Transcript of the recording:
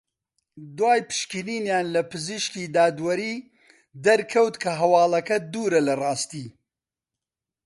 دوای پشکنینیان لە پزیشکی دادوەری دەرکەوت کە هەواڵەکە دوورە لە راستی